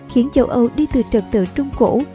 khiến châu âu đi từ trận tựa trung cổ